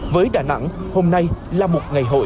với đà nẵng hôm nay là một ngày hội